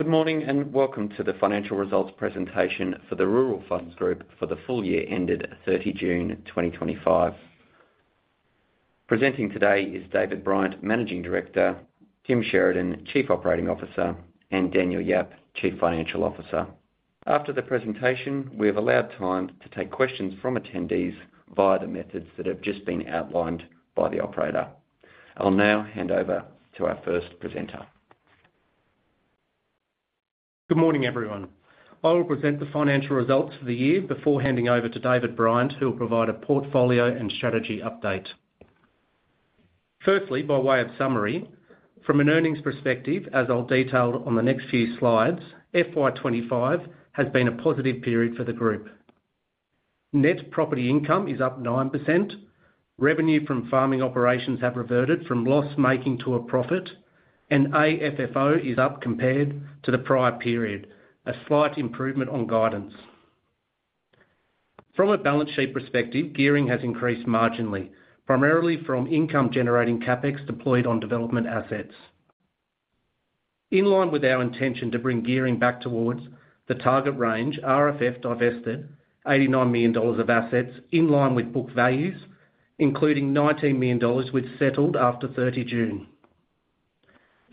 Good morning and welcome to the financial results presentation for the Rural Funds Group for the full year ended 30 June 2025. Presenting today is David Bryant, Managing Director, Tim Sheridan, Chief Operating Officer, and Daniel Yap, Chief Financial Officer. After the presentation, we have allowed time to take questions from attendees via the methods that have just been outlined by the operator. I'll now hand over to our first presenter. Good morning, everyone. I will present the financial results for the year before handing over to David Bryant, who will provide a portfolio and strategy update. Firstly, by way of summary, from an earnings perspective, as I'll detail on the next few slides, FY 2025 has been a positive period for the group. Net property income is up 9%, revenue from farming operations have reverted from loss-making to a profit, and AFFO is up compared to the prior period, a slight improvement on guidance. From a balance sheet perspective, gearing has increased marginally, primarily from income-generating CapEx deployed on development assets. In line with our intention to bring gearing back towards the target range, RFF divested $89 million of assets in line with book values, including $19 million, which settled after 30 June.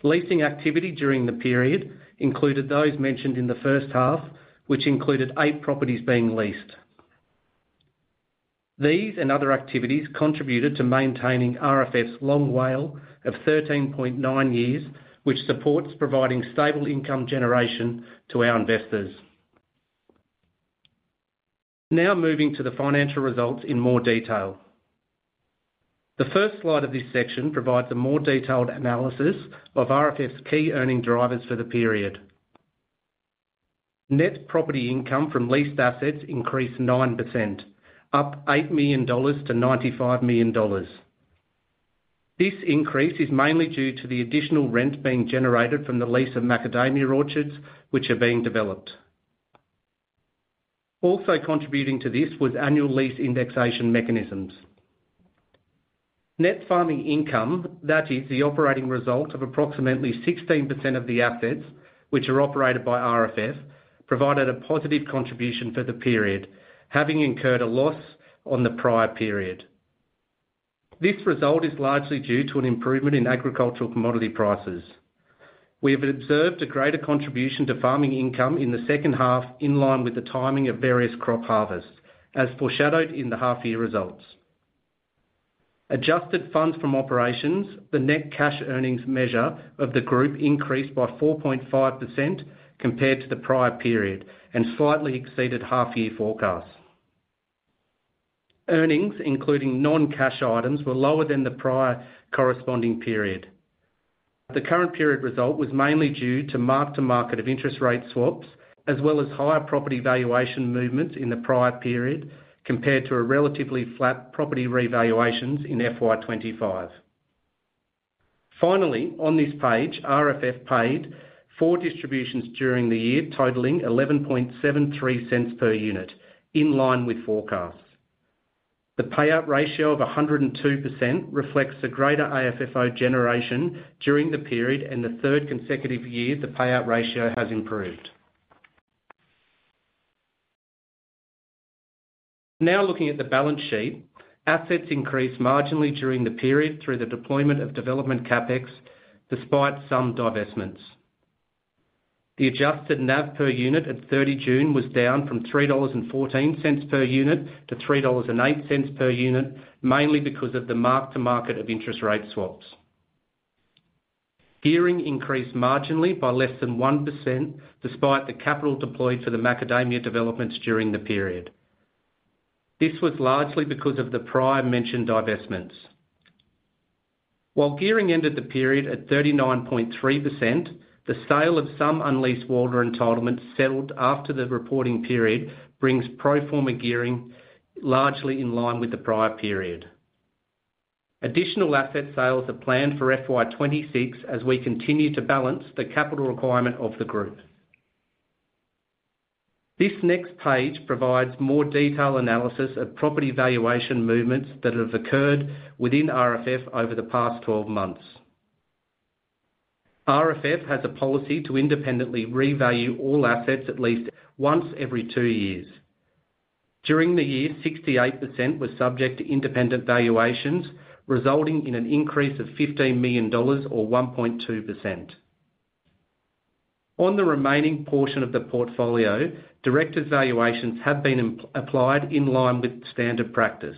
Leasing activity during the period included those mentioned in the first half, which included eight properties being leased. These and other activities contributed to maintaining RFF's long WALE of 13.9 years, which supports providing stable income generation to our investors. Now moving to the financial results in more detail. The first slide of this section provides a more detailed analysis of RFF's key earning drivers for the period. Net property income from leased assets increased 9%, up $8 million to $95 million. This increase is mainly due to the additional rent being generated from the lease of macadamia orchards, which are being developed. Also contributing to this was annual lease indexation mechanisms. Net farming income, that is, the operating result of approximately 16% of the assets which are operated by RFF, provided a positive contribution for the period, having incurred a loss on the prior period. This result is largely due to an improvement in agricultural commodity prices. We have observed a greater contribution to farming income in the second half, in line with the timing of various crop harvests, as foreshadowed in the half-year results. Adjusted funds from operations, the net cash earnings measure of the group, increased by 4.5% compared to the prior period and slightly exceeded half-year forecasts. Earnings, including non-cash items, were lower than the prior corresponding period. The current period result was mainly due to mark-to-market of interest rate swaps, as well as higher property valuation movements in the prior period compared to a relatively flat property revaluations in FY 2025. Finally, on this page, RFF paid four distributions during the year, totaling $0.1173 per unit, in line with forecasts. The payout ratio of 102% reflects a greater AFFO generation during the period, and for the third consecutive year, the payout ratio has improved. Now looking at the balance sheet, assets increased marginally during the period through the deployment of development CapEx, despite some divestments. The adjusted NAV per unit at 30 June was down from $3.14 per unit to $3.08 per unit, mainly because of the mark-to-market of interest rate swaps. Gearing increased marginally by less than 1%, despite the capital deployed for the macadamia developments during the period. This was largely because of the prior mentioned divestments. While gearing ended the period at 39.3%, the sale of some unleased water entitlements settled after the reporting period brings pro forma gearing largely in line with the prior period. Additional asset sales are planned for FY 2026 as we continue to balance the capital requirement of the group. This next page provides more detailed analysis of property valuation movements that have occurred within RFF over the past 12 months. RFF has a policy to independently revalue all assets at least once every two years. During the year, 68% was subject to independent valuations, resulting in an increase of $15 million, or 1.2%. On the remaining portion of the portfolio, directors' valuations have been applied in line with standard practice.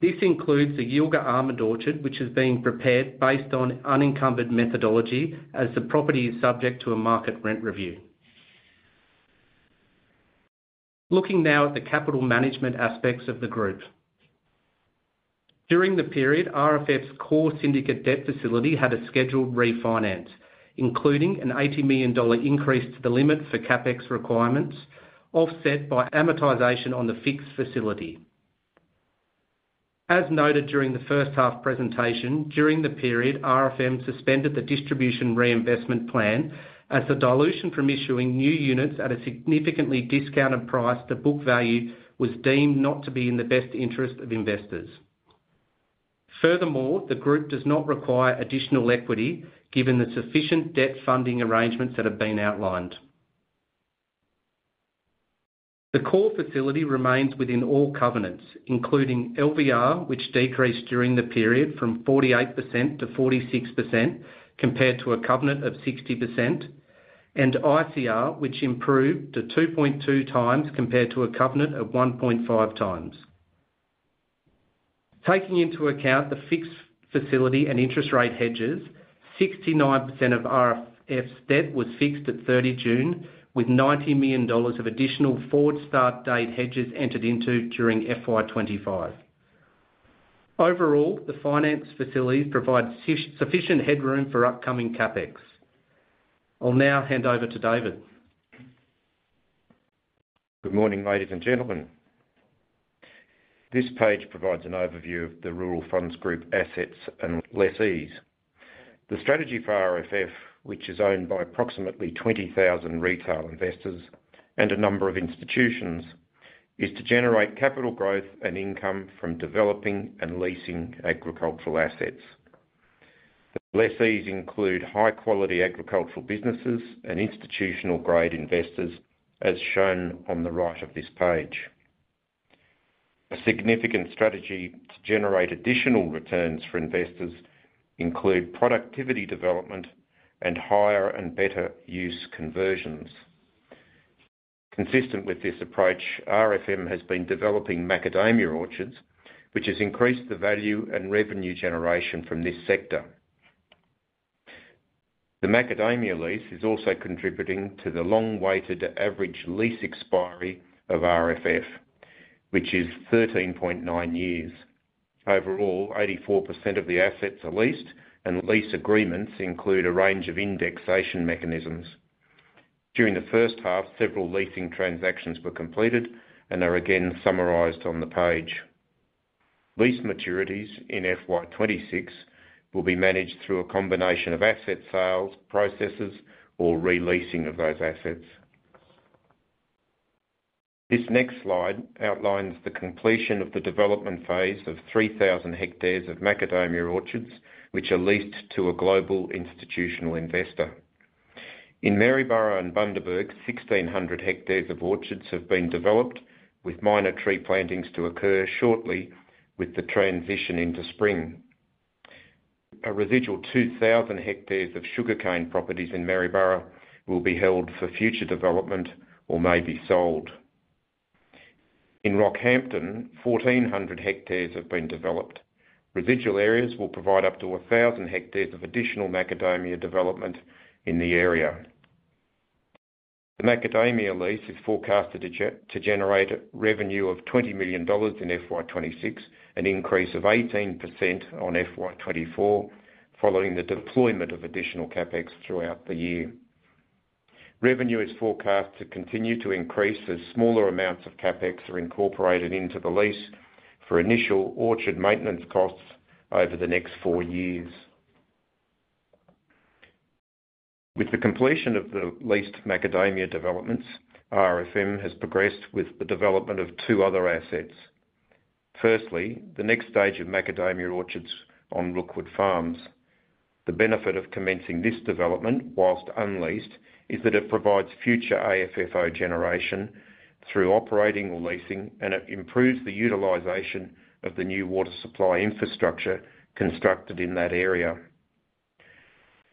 This includes a Yilgah almond orchard, which is being prepared based on unencumbered methodology, as the property is subject to a market rent review. Looking now at the capital management aspects of the group. During the period, RFF's core syndicate debt facility had a scheduled refinance, including an $80 million increase to the limit for CapEx requirements, offset by amortization on the fixed facility. As noted during the first half presentation, during the period, RFM suspended the distribution reinvestment plan as the dilution from issuing new units at a significantly discounted price to book value was deemed not to be in the best interest of investors. Furthermore, the group does not require additional equity, given the sufficient debt funding arrangements that have been outlined. The core facility remains within all covenants, including LVR, which decreased during the period from 48% to 46% compared to a covenant of 60%, and ICR, which improved to 2.2x compared to a covenant of 1.5x. Taking into account the fixed facility and interest rate hedges, 69% of RFF's debt was fixed at 30 June, with $90 million of additional forward start date hedges entered into during FY 2025. Overall, the finance facilities provide sufficient headroom for upcoming CapEx. I'll now hand over to David. Good morning, ladies and gentlemen. This page provides an overview of the Rural Funds Group assets and lessees. The strategy for RFF, which is owned by approximately 20,000 retail investors and a number of institutions, is to generate capital growth and income from developing and leasing agricultural assets. Lessees include high-quality agricultural businesses and institutional-grade investors, as shown on the right of this page. A significant strategy to generate additional returns for investors includes productivity development and higher and better use conversions. Consistent with this approach, RFM has been developing macadamia orchards, which has increased the value and revenue generation from this sector. The macadamia lease is also contributing to the long-weighted average lease expiry of RFF, which is 13.9 years. Overall, 84% of the assets are leased, and lease agreements include a range of indexation mechanisms. During the first half, several leasing transactions were completed and are again summarized on the page. Lease maturities in FY 2026 will be managed through a combination of asset sales, processes, or releasing of those assets. This next slide outlines the completion of the development phase of 3,000 hectares of macadamia orchards, which are leased to a global institutional investor. In Maryborough and Bundaberg, 1,600 hectares of orchards have been developed, with minor tree plantings to occur shortly with the transition into spring. A residual 2,000 hectares of sugarcane properties in Maryborough will be held for future development or may be sold. In Rockhampton, 1,400 hectares have been developed. Residual areas will provide up to 1,000 hectares of additional macadamia development in the area. The macadamia lease is forecasted to generate a revenue of $20 million in FY 2026, an increase of 18% on FY 2024, following the deployment of additional CapEx throughout the year. Revenue is forecast to continue to increase as smaller amounts of CapEx are incorporated into the lease for initial orchard maintenance costs over the next four years. With the completion of the leased macadamia developments, RFM has progressed with the development of two other assets. Firstly, the next stage of macadamia orchards on Rookwood Farms. The benefit of commencing this development, whilst unleased, is that it provides future AFFO generation through operating or leasing, and it improves the utilization of the new water supply infrastructure constructed in that area.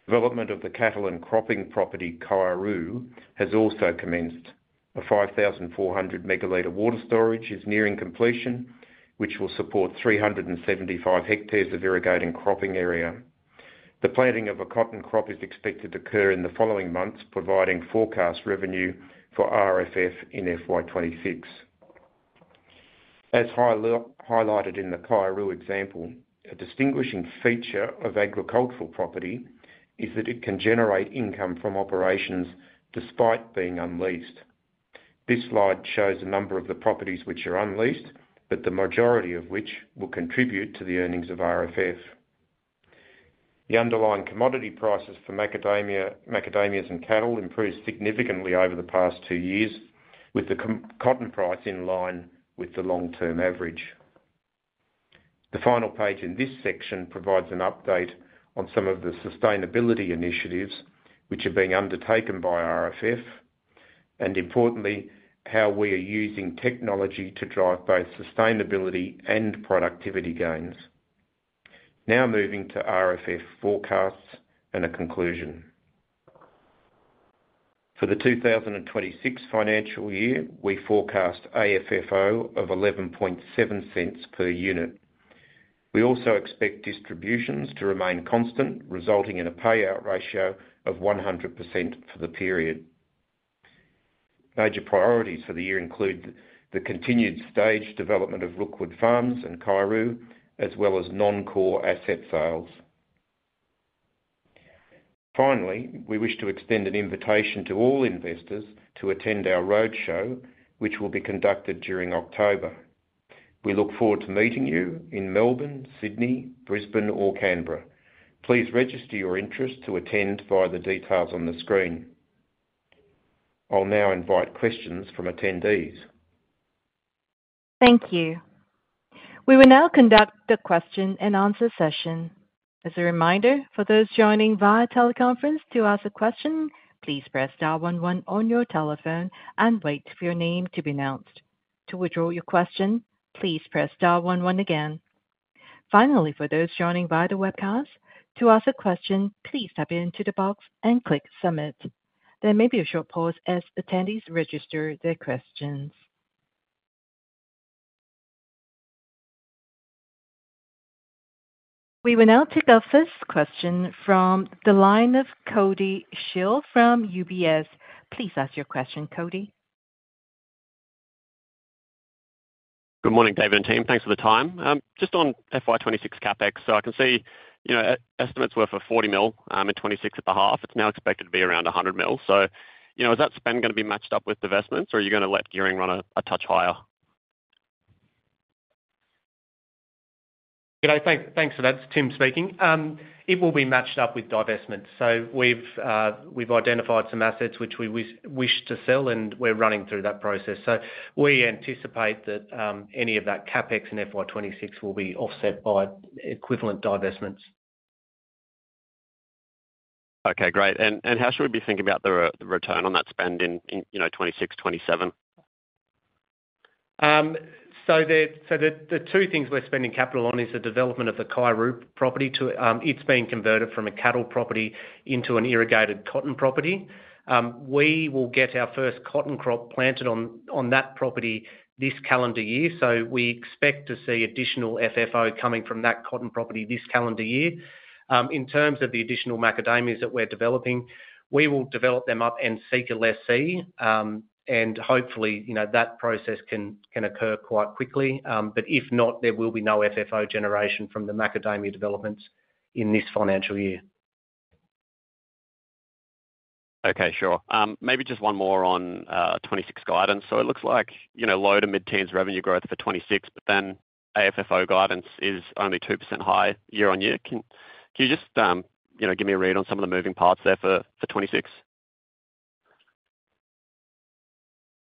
Development of the cattle and cropping property Kaiuroo has also commenced. A 5,400 megaliter water storage is nearing completion, which will support 375 hectares of irrigated cropping area. The planting of a cotton crop is expected to occur in the following months, providing forecast revenue for RFF in FY 2026. As highlighted in the Kaiuroo example, a distinguishing feature of agricultural property is that it can generate income from operations despite being unleased. This slide shows a number of the properties which are unleased, but the majority of which will contribute to the earnings of RFF. The underlying commodity prices for macadamias and cattle improved significantly over the past two years, with the cotton price in line with the long-term average. The final page in this section provides an update on some of the sustainability initiatives which are being undertaken by RFF, and importantly, how we are using technology to drive both sustainability and productivity gains. Now moving to RFF forecasts and a conclusion. For the 2026 financial year, we forecast AFFO of $0.1107 per unit. We also expect distributions to remain constant, resulting in a payout ratio of 100% for the period. Major priorities for the year include the continued staged development of Rookwood Farms and Kaiuroo, as well as non-core asset sales. Finally, we wish to extend an invitation to all investors to attend our roadshow, which will be conducted during October. We look forward to meeting you in Melbourne, Sydney, Brisbane, or Canberra. Please register your interest to attend via the details on the screen. I'll now invite questions from attendees. Thank you. We will now conduct a question and answer session. As a reminder, for those joining via teleconference to ask a question, please press star one one on your telephone and wait for your name to be announced. To withdraw your question, please press star one one again. Finally, for those joining via the webcast, to ask a question, please type it into the box and click submit. There may be a short pause as attendees register their questions. We will now take our first question from the line of Cody Shield from UBS. Please ask your question, Cody. Good morning, David and team. Thanks for the time. Just on FY 2026 CapEx, I can see estimates were for $40 million in 2026 at the half. It's now expected to be around $100 million. Is that spend going to be matched up with divestments, or are you going to let gearing run a touch higher? Thanks for that. It's Tim speaking. It will be matched up with divestments. We've identified some assets which we wish to sell, and we're running through that process. We anticipate that any of that CapEx in FY 2026 will be offset by equivalent divestments. Okay, great. How should we be thinking about the return on that spend in 2026, 2027? The two things we're spending capital on are the development of the Kaiuroo property. It's been converted from a cattle property into an irrigated cotton property. We will get our first cotton crop planted on that property this calendar year. We expect to see additional FFO coming from that cotton property this calendar year. In terms of the additional macadamias that we're developing, we will develop them up and seek a lessee, and hopefully, you know, that process can occur quite quickly. If not, there will be no FFO generation from the macadamia developments in this financial year. Okay, sure. Maybe just one more on 2026 guidance. It looks like, you know, low to mid-teens revenue growth for 2026, but then AFFO guidance is only 2% higher year on year. Can you just, you know, give me a read on some of the moving parts there for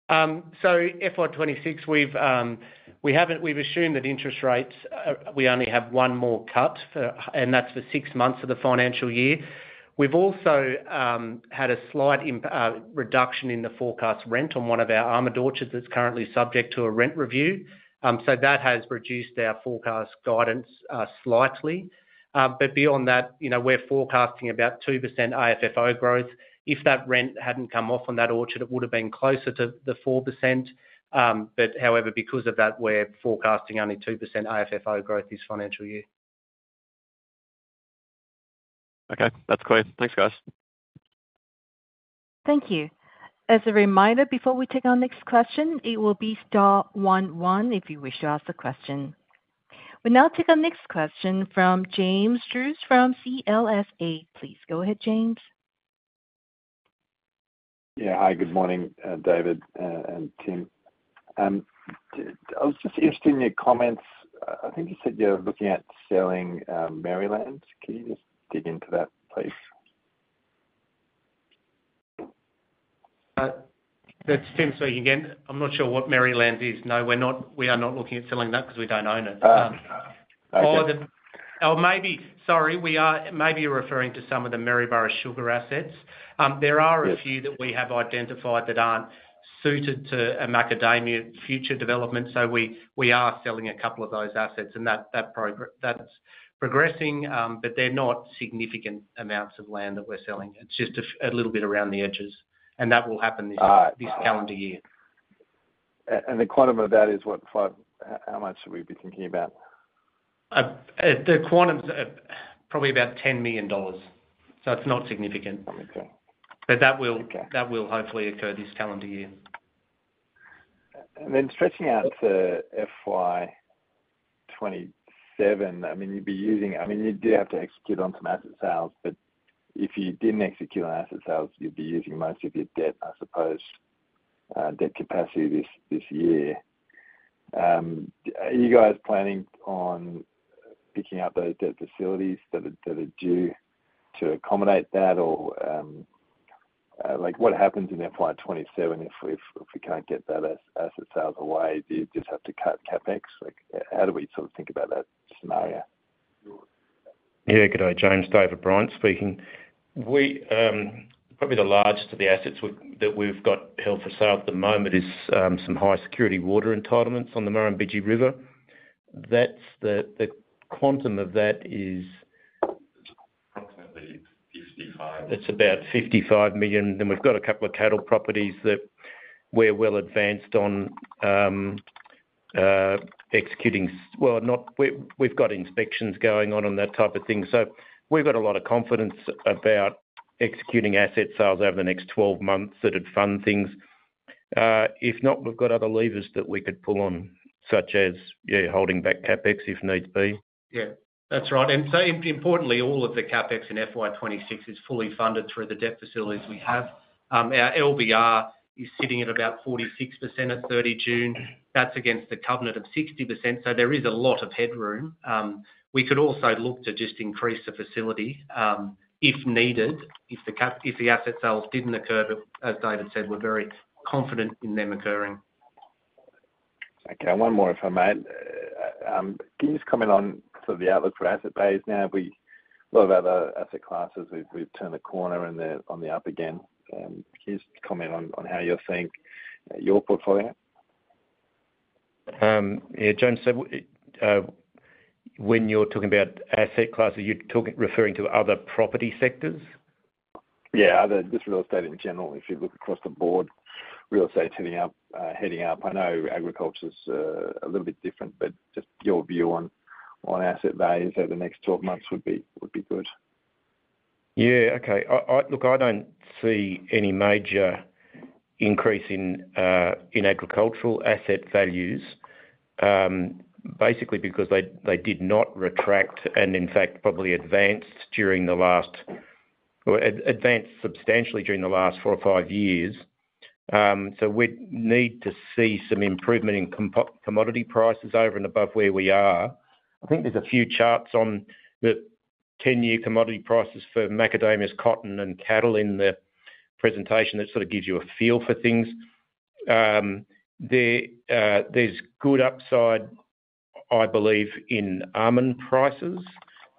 2026? For FY 2026, we've assumed that interest rates, we only have one more cut, and that's for six months of the financial year. We've also had a slight reduction in the forecast rent on one of our almond orchards that's currently subject to a rent review. That has reduced our forecast guidance slightly. Beyond that, you know, we're forecasting about 2% AFFO growth. If that rent hadn't come off on that orchard, it would have been closer to the 4%. However, because of that, we're forecasting only 2% AFFO growth this financial year. Okay, that's clear. Thanks, guys. Thank you. As a reminder, before we take our next question, it will be star one one if you wish to ask a question. We'll now take our next question from James Druce from CLSA. Please go ahead, James. Yeah, hi, good morning, David and Tim. I was just interested in your comments. I think you said you're looking at selling Maryland. Can you just dig into that, please? That's Tim speaking again. I'm not sure what Maryland is. No, we're not looking at selling that because we don't own it. Maybe you're referring to some of the Maryborough sugar assets. There are a few that we have identified that aren't suited to a macadamia future development. We are selling a couple of those assets, and that's progressing, but they're not significant amounts of land that we're selling. It's just a little bit around the edges, and that will happen this calendar year. What is the quantum of that, how much are we thinking about? The quantum's probably about $10 million. It's not significant, but that will hopefully occur this calendar year. Stretching out to FY 2027, you'd be using, you do have to execute on some asset sales, but if you didn't execute on asset sales, you'd be using most of your debt, I suppose, debt capacity this year. Are you guys planning on picking up those debt facilities that are due to accommodate that, or what happens in FY 2027 if we can't get those asset sales away? Do you just have to cut CapEx? How do we sort of think about that scenario? Yeah, good eye, James, David Bryant speaking. Probably the largest of the assets that we've got held for sale at the moment is some high security water entitlements on the Murrumbidgee River. The quantum of that is approximately $55 million. It's about $55 million. Then we've got a couple of cattle properties that we're well advanced on executing. We've got inspections going on and that type of thing. We've got a lot of confidence about executing asset sales over the next 12 months that would fund things. If not, we've got other levers that we could pull on, such as holding back CapEx if needs be. Yeah, that's right. Importantly, all of the CapEx in FY 2026 is fully funded through the debt facilities we have. Our LVR is sitting at about 46% at 30 June. That's against the covenant of 60%, so there is a lot of headroom. We could also look to just increase the facility if needed if the asset sales didn't occur, but as David said, we're very confident in them occurring. Okay, one more if I may. Can you just comment on sort of the outlook for asset base now? We've got other asset classes. We've turned the corner on the up again. Can you just comment on how you're seeing your portfolio? Yeah, James, when you're talking about asset classes, you're referring to other property sectors? Yeah, other just real estate in general. If you look across the board, real estate's heading up. I know agriculture's a little bit different, but just your view on asset values over the next 12 months would be good. Yeah, okay. Look, I don't see any major increase in agricultural asset values, basically because they did not retract and in fact probably advanced during the last, advanced substantially during the last four or five years. We'd need to see some improvement in commodity prices over and above where we are. I think there's a few charts on the 10-year commodity prices for macadamias, cotton, and cattle in the presentation that sort of gives you a feel for things. There's good upside, I believe, in almond prices.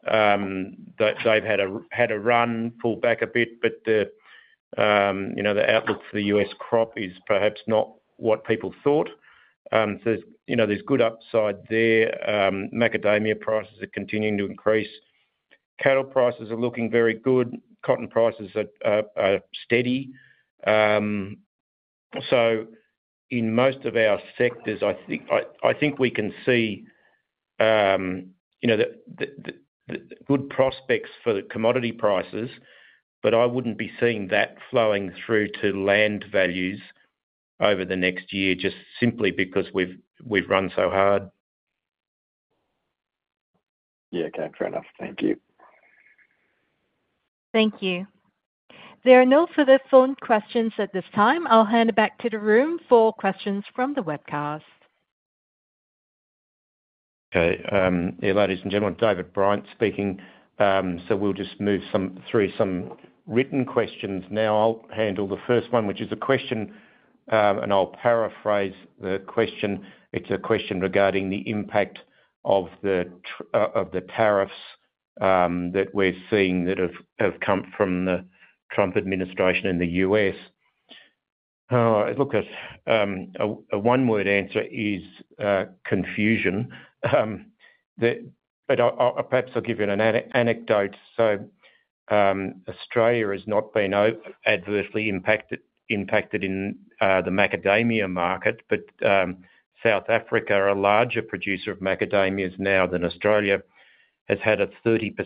They've had a run, pulled back a bit, but the outlook for the U.S. crop is perhaps not what people thought. There's good upside there. Macadamia prices are continuing to increase. Cattle prices are looking very good. Cotton prices are steady. In most of our sectors, I think we can see good prospects for the commodity prices, but I wouldn't be seeing that flowing through to land values over the next year, just simply because we've run so hard. Yeah, okay, fair enough. Thank you. Thank you. There are no further phone questions at this time. I'll hand it back to the room for questions from the webcast. Okay. Yeah, ladies and gentlemen, David Bryant speaking. We'll just move through some written questions. I'll handle the first one, which is a question, and I'll paraphrase the question. It's a question regarding the impact of the tariffs that we're seeing that have come from the Trump administration in the U.S. A one-word answer is confusion. Perhaps I'll give you an anecdote. Australia has not been adversely impacted in the macadamia market, but South Africa, a larger producer of macadamias now than Australia, has had a 30%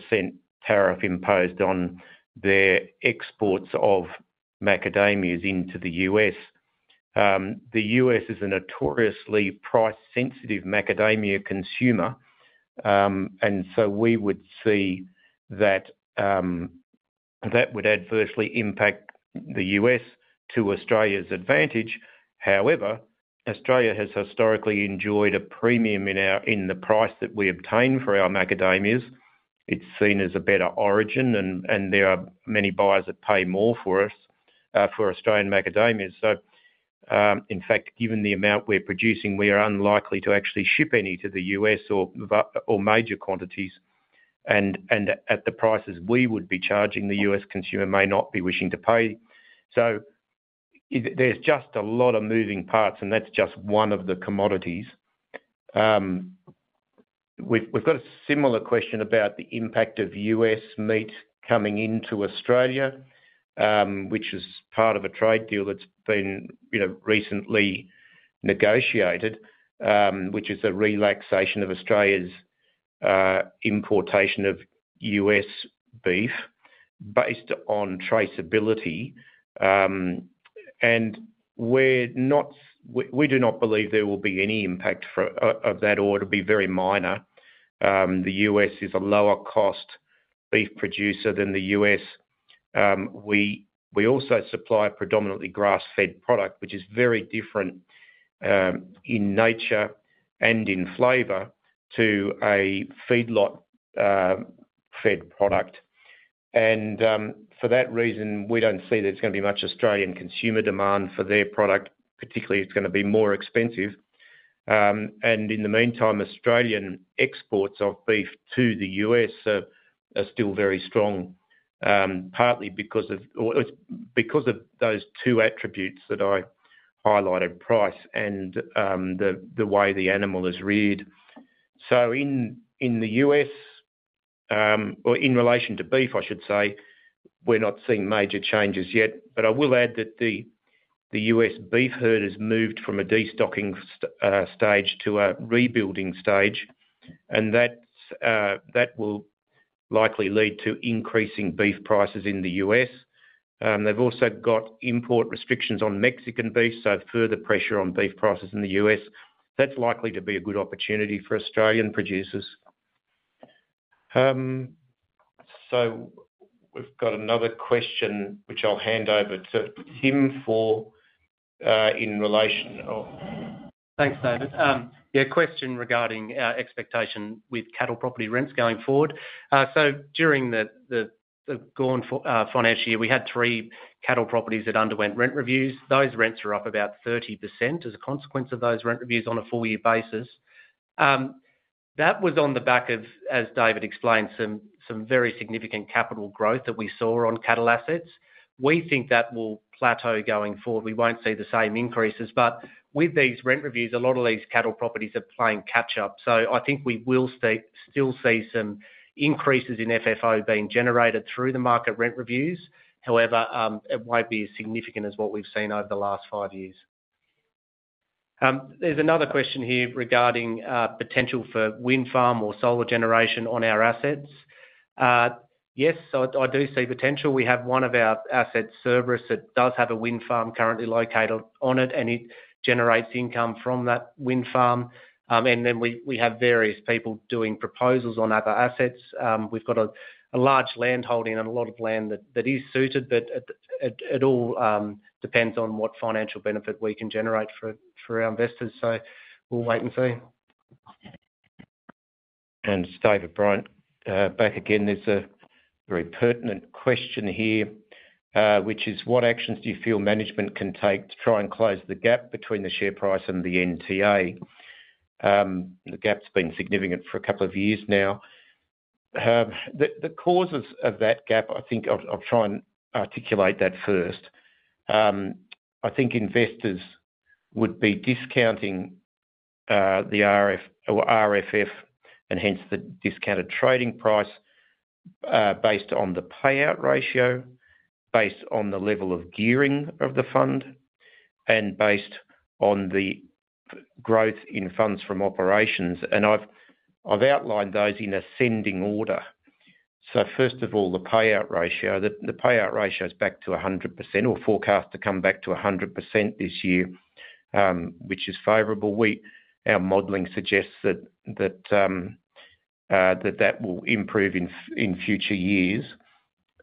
tariff imposed on their exports of macadamias into the U.S. The U.S. is a notoriously price-sensitive macadamia consumer, and we would see that that would adversely impact the U.S. to Australia's advantage. However, Australia has historically enjoyed a premium in the price that we obtain for our macadamias. It's seen as a better origin, and there are many buyers that pay more for us for Australian macadamias. In fact, given the amount we're producing, we are unlikely to actually ship any to the U.S. or major quantities. At the prices we would be charging, the U.S. consumer may not be wishing to pay. There's just a lot of moving parts, and that's just one of the commodities. We've got a similar question about the impact of U.S. meat coming into Australia, which is part of a trade deal that's been recently negotiated, which is a relaxation of Australia's importation of U.S. beef based on traceability. We do not believe there will be any impact of that, or it'll be very minor. The U.S. is a lower-cost beef producer than the U.S. We also supply a predominantly grass-fed product, which is very different in nature and in flavor to a feedlot-fed product. For that reason, we don't see that there's going to be much Australian consumer demand for their product. Particularly, it's going to be more expensive. In the meantime, Australian exports of beef to the U.S. are still very strong, partly because of those two attributes that I highlighted: price and the way the animal is reared. In the U.S., or in relation to beef, I should say, we're not seeing major changes yet. I will add that the U.S. beef herd has moved from a destocking stage to a rebuilding stage, and that will likely lead to increasing beef prices in the U.S. They've also got import restrictions on Mexican beef, so further pressure on beef prices in the U.S. That's likely to be a good opportunity for Australian producers. We've got another question, which I'll hand over to him for in relation. Thanks, David. Yeah, question regarding our expectation with cattle property rents going forward. During the gone financial year, we had three cattle properties that underwent rent reviews. Those rents are up about 30% as a consequence of those rent reviews on a four-year basis. That was on the back of, as David explained, some very significant capital growth that we saw on cattle assets. We think that will plateau going forward. We won't see the same increases, but with these rent reviews, a lot of these cattle properties are playing catch-up. I think we will still see some increases in FFO being generated through the market rent reviews. However, it won't be as significant as what we've seen over the last five years. There's another question here regarding potential for wind farm or solar generation on our assets. Yes, I do see potential. We have one of our assets, Cerberus, that does have a wind farm currently located on it, and it generates income from that wind farm. We have various people doing proposals on other assets. We've got a large land holding and a lot of land that is suited, but it all depends on what financial benefit we can generate for our investors. We'll wait and see. David Bryant, back again, there's a very pertinent question here, which is what actions do you feel management can take to try and close the gap between the share price and the NTA? The gap's been significant for a couple of years now. The causes of that gap, I think I'll try and articulate that first. I think investors would be discounting the RFF and hence the discounted trading price based on the payout ratio, based on the level of gearing of the fund, and based on the growth in funds from operations. I've outlined those in ascending order. First of all, the payout ratio. The payout ratio is back to 100% or forecast to come back to 100% this year, which is favorable. Our modeling suggests that will improve in future years.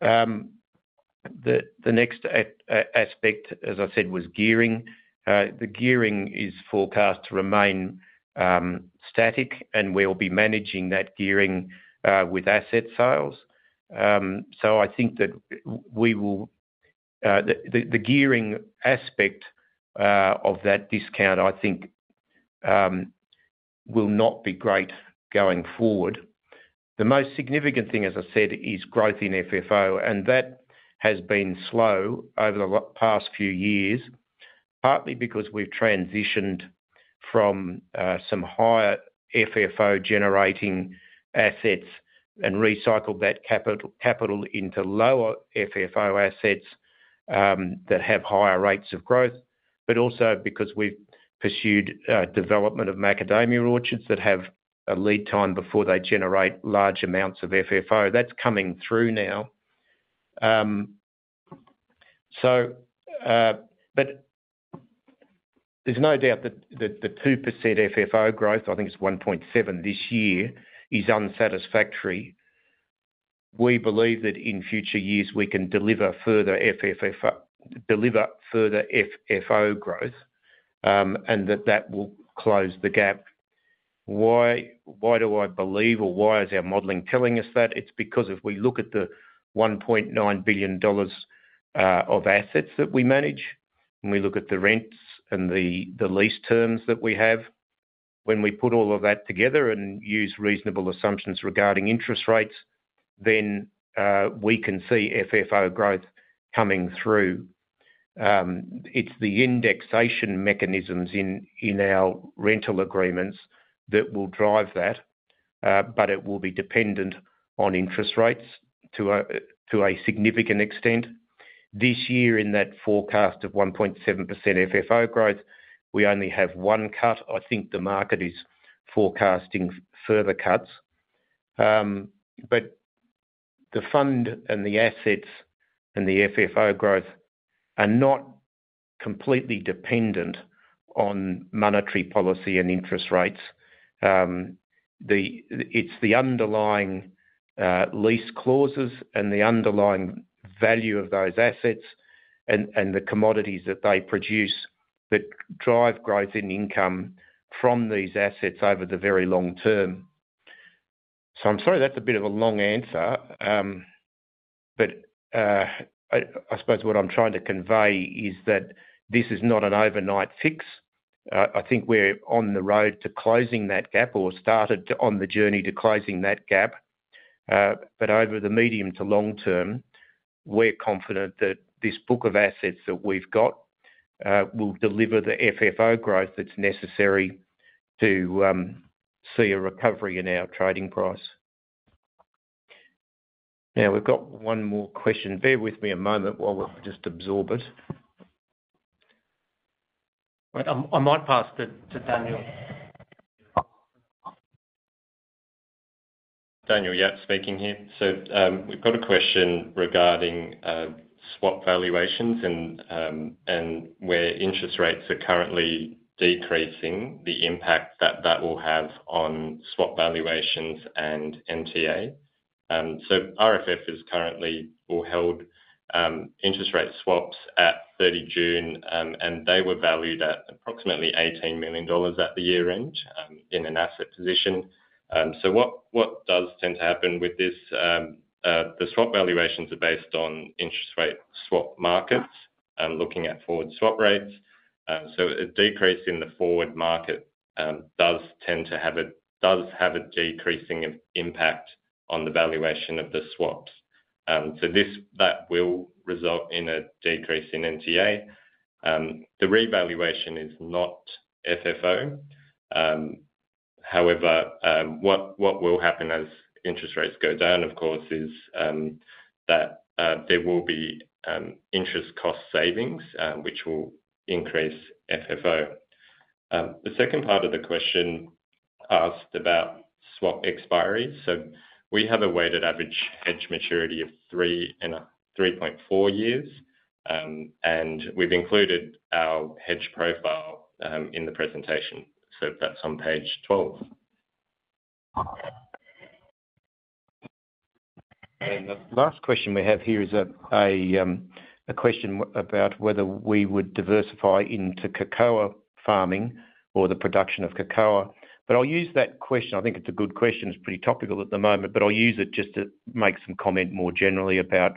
The next aspect, as I said, was gearing. The gearing is forecast to remain static, and we'll be managing that gearing with asset sales. I think that the gearing aspect of that discount will not be great going forward. The most significant thing, as I said, is growth in FFO, and that has been slow over the past few years, partly because we've transitioned from some higher FFO-generating assets and recycled that capital into lower FFO assets that have higher rates of growth, but also because we've pursued development of macadamia orchards that have a lead time before they generate large amounts of FFO. That's coming through now. There is no doubt that the 2% FFO growth, I think it's 1.7% this year, is unsatisfactory. We believe that in future years, we can deliver further FFO growth and that that will close the gap. Why do I believe, or why is our modeling telling us that? It's because if we look at the $1.9 billion of assets that we manage, and we look at the rents and the lease terms that we have, when we put all of that together and use reasonable assumptions regarding interest rates, then we can see FFO growth coming through. It's the indexation mechanisms in our rental agreements that will drive that, but it will be dependent on interest rates to a significant extent. This year, in that forecast of 1.7% FFO growth, we only have one cut. I think the market is forecasting further cuts. The fund and the assets and the FFO growth are not completely dependent on monetary policy and interest rates. It's the underlying lease clauses and the underlying value of those assets and the commodities that they produce that drive growth in income from these assets over the very long term. I'm sorry, that's a bit of a long answer, but I suppose what I'm trying to convey is that this is not an overnight fix. I think we're on the road to closing that gap or started on the journey to closing that gap. Over the medium to long term, we're confident that this book of assets that we've got will deliver the FFO growth that's necessary to see a recovery in our trading price. Now we've got one more question. Bear with me a moment while we just absorb it. I might pass to Daniel. Daniel Yap speaking here. We've got a question regarding swap valuations and where interest rates are currently decreasing, the impact that that will have on swap valuations and NTA. RFF is currently held interest rate swaps at 30 June, and they were valued at approximately $18 million at the year-end in an asset position. What does tend to happen with this? The swap valuations are based on interest rate swap markets, looking at forward swap rates. A decrease in the forward market does tend to have a decreasing impact on the valuation of the swaps. That will result in a decrease in NTA. The revaluation is not FFO. However, what will happen as interest rates go down, of course, is that there will be interest cost savings, which will increase FFO. The second part of the question asked about swap expiry. We have a weighted average hedge maturity of three and 3.4 years, and we've included our hedge profile in the presentation. That's on page 12. The last question we have here is a question about whether we would diversify into cocoa farming or the production of cocoa. I'll use that question. I think it's a good question. It's pretty topical at the moment. I'll use it just to make some comment more generally about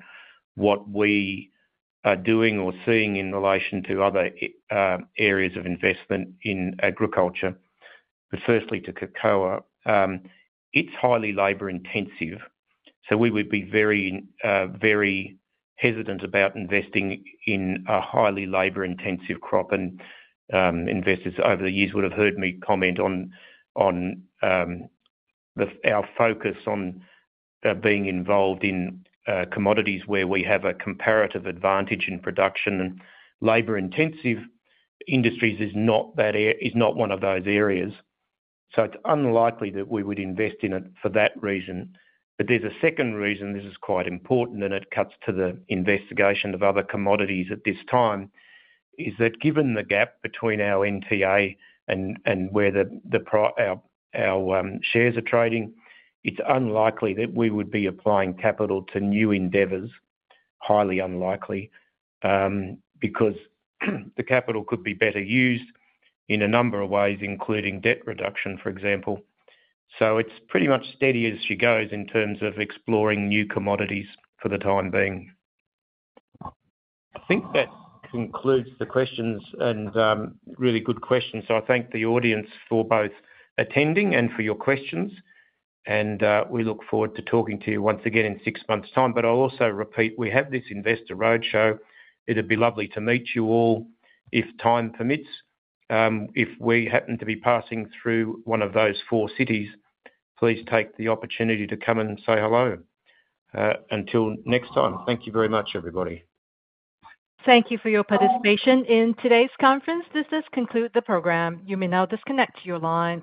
what we are doing or seeing in relation to other areas of investment in agriculture. Firstly, to cocoa, it's highly labor intensive. We would be very, very hesitant about investing in a highly labor intensive crop. Investors over the years would have heard me comment on our focus on being involved in commodities where we have a comparative advantage in production. Labor intensive industries is not one of those areas. It's unlikely that we would invest in it for that reason. There's a second reason. This is quite important, and it cuts to the investigation of other commodities at this time, that given the gap between our NTA and where our shares are trading, it's unlikely that we would be applying capital to new endeavors, highly unlikely, because the capital could be better used in a number of ways, including debt reduction, for example. It's pretty much steady as she goes in terms of exploring new commodities for the time being. I think that concludes the questions and really good questions. I thank the audience for both attending and for your questions. We look forward to talking to you once again in six months' time. I'll also repeat, we have this investor roadshow. It'd be lovely to meet you all if time permits. If we happen to be passing through one of those four cities, please take the opportunity to come and say hello. Until next time, thank you very much, everybody. Thank you for your participation in today's conference. This does conclude the program. You may now disconnect your line.